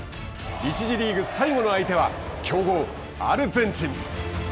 １次リーグ最後の相手は強豪アルゼンチン。